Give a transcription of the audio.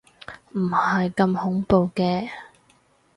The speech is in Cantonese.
唔係咁恐怖嘅